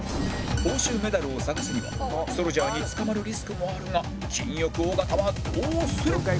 報酬メダルを探すにはソルジャーに捕まるリスクもあるが金欲・尾形はどうする？